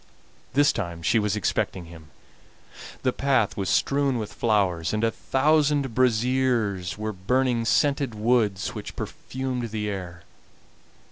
This time she was expecting him, the path was strewn with flowers, and a thousand braziers were burning scented woods which perfumed the air.